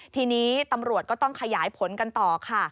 ทีนี้ตำรวจก็ต้องขยายผลกันต่อค่ะ